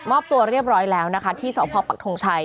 อบตัวเรียบร้อยแล้วนะคะที่สพปักทงชัย